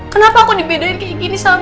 kenapa aku dibedain kayak gini sama